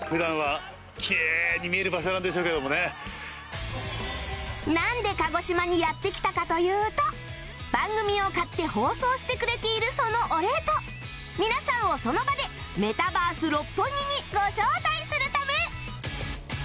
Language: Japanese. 照英さんがなんで鹿児島にやって来たかというと番組を買って放送してくれているそのお礼と皆さんをその場でメタバース六本木にご招待するため